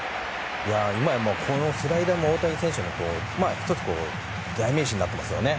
このスライダーも大谷選手の１つ、代名詞になっていますね。